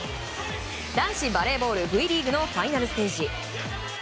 男子バレーボールＶリーグのファイナルステージ。